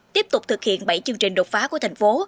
tiếp tục thực hiện bảy chương trình đột phá của thành phố